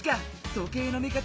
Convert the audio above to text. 時計の見方